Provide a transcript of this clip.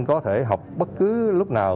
có thể học bất cứ lúc nào